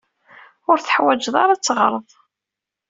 Ur teḥwaǧeḍ ara ad teɣreḍ.